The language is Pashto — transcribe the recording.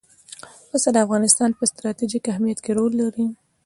پسه د افغانستان په ستراتیژیک اهمیت کې رول لري.